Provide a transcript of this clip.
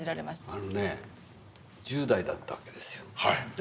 あのね１０代だったわけですよ。